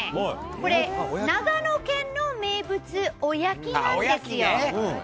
これ、長野県の名物、おやきなんですよ。